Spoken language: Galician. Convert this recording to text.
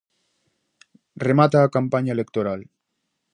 Remata a campaña electoral.